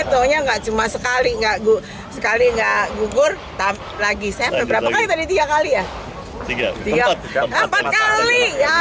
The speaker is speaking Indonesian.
itu nya enggak cuma sekali enggak gugup sekali